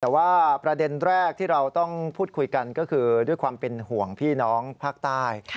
แต่ว่าประเด็นแรกที่เราต้องพูดคุยกันก็คือด้วยความเป็นห่วงพี่น้องภาคใต้